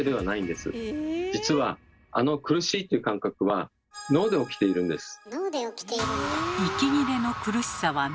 実はあの「苦しい」という感覚は脳で起きているんです。